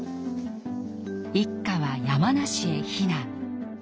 一家は山梨へ避難。